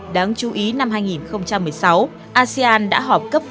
đáng chú ý năm hai nghìn một mươi sáu asean đã họp cấp cao tăng trưởng